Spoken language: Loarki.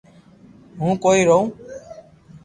ھون ڪوئي رووُ